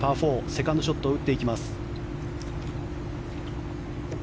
セカンドショットを打っていきます。